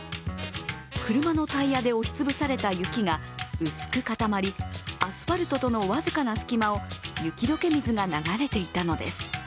車のタイヤで押しつぶされた雪が薄く固まりアスファルトとの僅かな隙間を雪解け水が流れていたのです。